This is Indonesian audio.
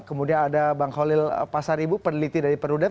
kemudian ada bang holil pasar ibu peneliti dari perudem